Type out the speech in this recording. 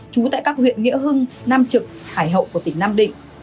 trú tại các huyện nghĩa hưng nam trực hải hậu của tỉnh nam định